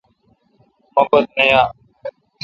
مو پت نہ یا۔